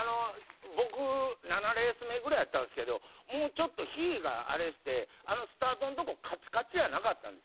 僕７レース目ぐらいやったんですけどもうちょっと日があれしてあのスタートのとこカチカチやなかったんですよ。